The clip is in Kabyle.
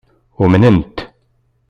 Umnen-t.